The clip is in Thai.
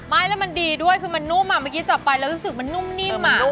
ไม่แล้วมันดีด้วยคือมันนุ่มอ่ะเมื่อกี้จับไปแล้วรู้สึกมันนุ่มนิ่มอ่ะ